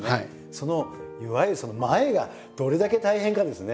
そのいわゆるその前がどれだけ大変かですね。